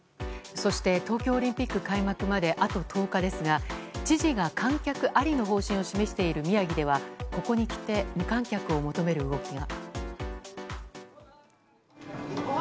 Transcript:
そして東京オリンピック開幕まであと１０日ですが知事が観客ありの方針を示している宮城ではここにきて無観客を求める動きが。